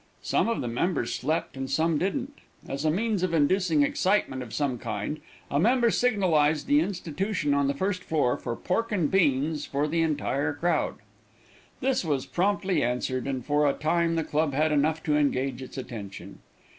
Some of the members slept and some didn't. As a means of inducing excitement of some kind, a member signalized the institution on the first floor for pork and beans for the entire crowd. This was promptly answered, and for a time the club had enough to engage its attention.